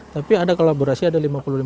tapi ada kolaborasi ada lima puluh lima